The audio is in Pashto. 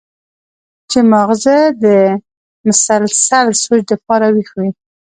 چې مازغه د مسلسل سوچ د پاره وېخ وي